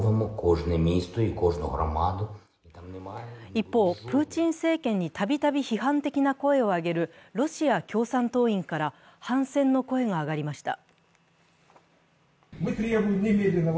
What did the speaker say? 一方、プーチン政権にたびたび批判的な声を上げるロシア共産党員から、反戦の声が上がりました。